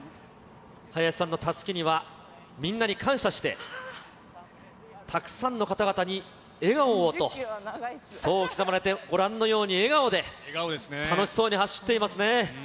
林さんのたすきには、みんなに感謝して、たくさんの方々に笑顔をと、そう刻まれて、ご覧のように笑顔で楽しそうに走っていますね。